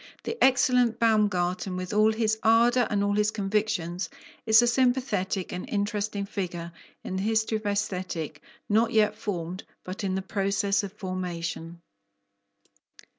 The excellent Baumgarten, with all his ardour and all his convictions, is a sympathetic and interesting figure in the history of Aesthetic not yet formed, but in process of formation.